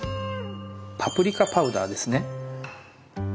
パプリカパウダーですね。